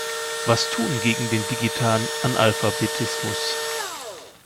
Was tun gegen den digitalen Analphabetismus?